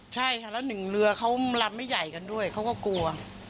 ใช่ค่ะแล้วหนึ่งเรือเขาลำไม่ใหญ่กันด้วยเขาก็กลัว